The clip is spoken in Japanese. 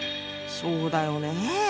そうだよねぇ。